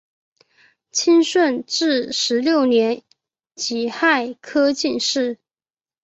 清顺治十六年己亥科进士。